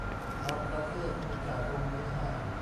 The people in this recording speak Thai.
บางประเทศมีจ่ายตรงนี้ให้